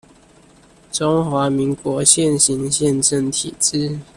中華民國現行憲政體制